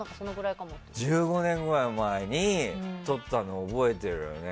１５年くらい前に撮ったの覚えてるよね。